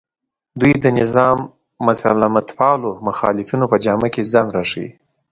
دوی د نظام د مسالمتپالو مخالفانو په جامه کې ځان راښیي